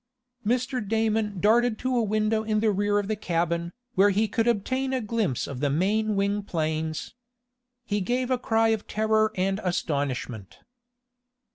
Mr. Damon darted to a window in the rear of the cabin, where he could obtain a glimpse of the main wing planes. He gave a cry of terror and astonishment.